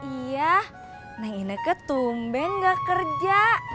iya neng enaknya tumben gak kerja